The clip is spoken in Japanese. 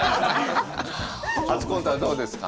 初コントはどうですか？